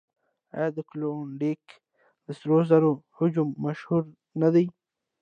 آیا د کلونډیک د سرو زرو هجوم مشهور نه دی؟